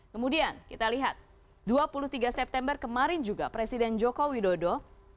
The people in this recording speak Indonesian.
kemudian kita lihat dua puluh tiga september kemarin juga presiden joko widodo